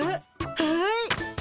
はい。